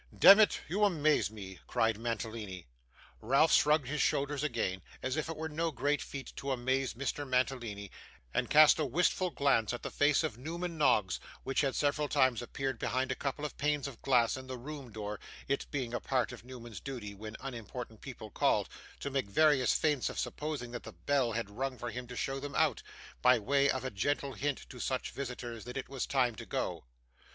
'Demmit, you amaze me,' cried Mantalini. Ralph shrugged his shoulders again, as if it were no great feat to amaze Mr. Mantalini, and cast a wistful glance at the face of Newman Noggs, which had several times appeared behind a couple of panes of glass in the room door; it being a part of Newman's duty, when unimportant people called, to make various feints of supposing that the bell had rung for him to show them out: by way of a gentle hint to such visitors that it was time to go.